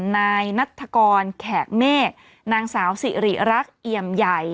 นายนัฐกรแขกเมฆนางสาวสิริรักษ์เอี่ยมใหญ่